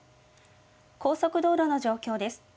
高速道路の状況です。